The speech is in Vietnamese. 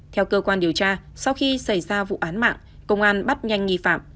theo cơ quan điều tra sau khi xảy ra vụ án mạng công an bắt nhanh nghi phạm